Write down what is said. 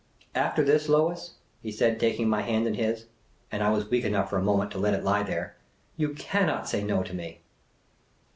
" After this, Lois," he said, taking my hand in his — and I was weak enough, for a moment, to let it lie there —*' yon cannot say No to me